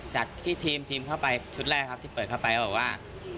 จากที่ทีมเข้าไปชุดแรกครับที่เปิดเข้าไปก็บอกว่า